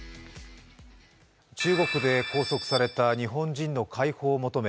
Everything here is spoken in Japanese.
中国で拘束された日本人の解放を求め